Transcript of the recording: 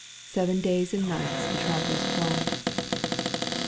Seven days and nights the travellers plod.